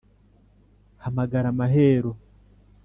hamagara mahero